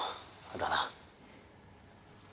だな。